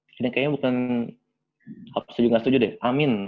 ini kayaknya bukan setuju gak setuju deh amin